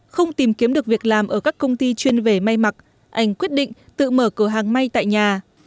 không tìm kiếm được việc làm ở các công ty chuyên về may mặc anh quyết định tự mở cửa hàng may tại nhà